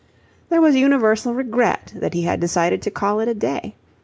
There was universal regret that he had decided to call it a day.